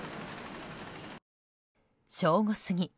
正午過ぎ